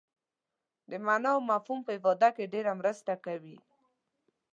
د معنا او مفهوم په افاده کې ډېره مرسته کوي.